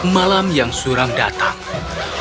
malam yang suram datang